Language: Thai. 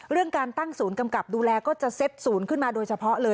เรื่องการตั้งศูนย์กำกับดูแลก็จะเซ็ตศูนย์ขึ้นมาโดยเฉพาะเลย